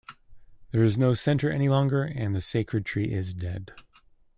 There is no center any longer, and the sacred tree is dead.